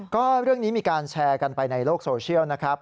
ก็เรื่องนี้มีการแชร์กันไปในโลกโซเชียลนะครับ